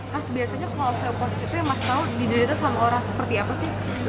mas biasanya kalau osteoporosis itu yang mas tahu dididiknya selama sepuluh orang seperti apa sih